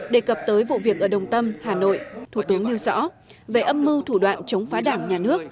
đề cập tới vụ việc ở đồng tâm hà nội thủ tướng nêu rõ về âm mưu thủ đoạn chống phá đảng nhà nước